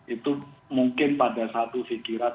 itu mungkin pada satu fikiran